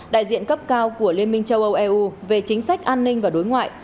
đại diện cấp cao của liên minh châu âu eu về chính sách an ninh và đối ngoại